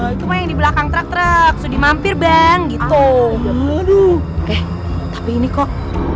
itu yang di belakang trak trak sudah mampir bang gitu aduh eh tapi ini kok